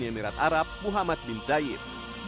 di dunia emirat arab muhammad bin zaid